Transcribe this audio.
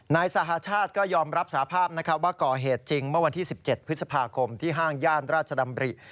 นายสหชาติก็ยอมรับสาภาพว่าก่อเหตุจริงเมื่อวันที่๑๗พฤษภาคมที่ห้างย่านราชดำริ